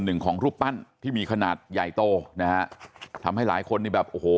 หนึ่งของรูปปั้นที่มีขนาดใหญ่โตนะฮะทำให้หลายคนนี่แบบโอ้โห